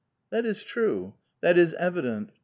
"That is true. That is evident."